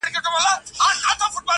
راځه د ژوند په چل دي پوه کړمه زه.